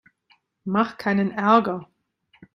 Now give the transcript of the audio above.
Mach keinen Ärger!